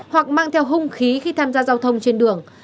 hoặc mang theo hung khí khi tham gia giao thông trên đường